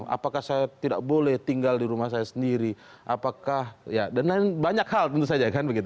apakah saya tidak boleh tinggal di rumah saya sendiri apakah ya dan lain banyak hal tentu saja kan begitu